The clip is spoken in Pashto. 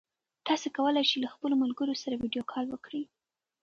تاسي کولای شئ له خپلو ملګرو سره ویډیو کال وکړئ.